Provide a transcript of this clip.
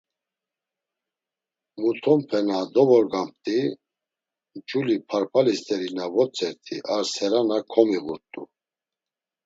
Mutonpe na dovorgamt̆i culi parpali st̆eri na votzert̆i ar serana komiğurt̆u.